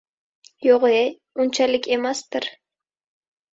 — Yo‘g‘-ye, unchalik emasdir.